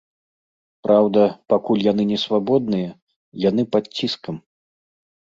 Праўда, пакуль яны несвабодныя, яны пад ціскам.